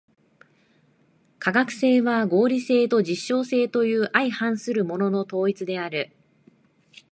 科学性は合理性と実証性という相反するものの統一である。